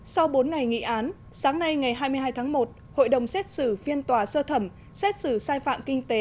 sau bốn ngày nghị án sáng nay ngày hai mươi hai tháng một hội đồng xét xử phiên tòa sơ thẩm xét xử sai phạm kinh tế